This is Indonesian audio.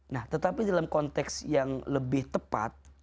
nah tetapi dalam konteks yang lebih tepat